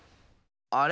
あれ？